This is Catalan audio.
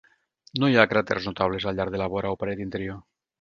No hi ha cràters notables al llarg de la vora o paret interior.